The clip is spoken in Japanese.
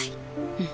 うん。